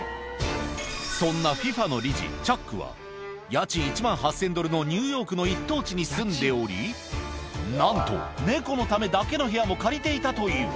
そんなＦＩＦＡの理事、チャックは家賃１万８０００ドルのニューヨークの一等地に住んでおり、なんと、猫のためだけの部屋も借りていたという。